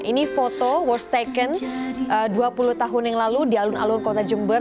ini foto warst taken dua puluh tahun yang lalu di alun alun kota jember